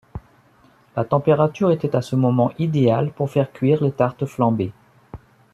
La température était à ce moment idéale pour faire cuire les tartes flambées.